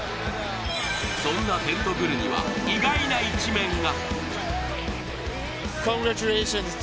そんなテントグルには意外な一面が。